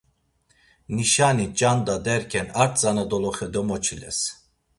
Nişani, ç̌anda derken ar tzana doloxe domoçiles.